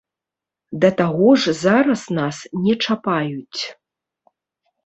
Да таго ж зараз нас не чапаюць.